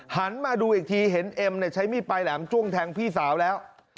หันมาดูอีกทีเห็นเอ็มใช้มีดปลายแหลมจ้วงแทงพี่สาวแล้ว